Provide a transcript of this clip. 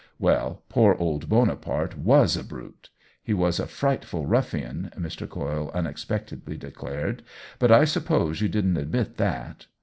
''" Well, poor old Bonaparte was a brute. He was a frightful ruffian," Mr. Coyle un expectedly declared. " But I suppose you didn't admit that."